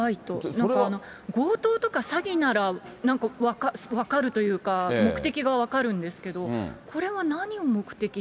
なんか強盗とか詐欺なら、なんか分かるというか、目的が分かるんですけど、これは何を目的に？